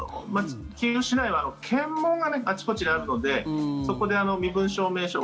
キーウ市内は検問があちこちにあるのでそこで身分証明書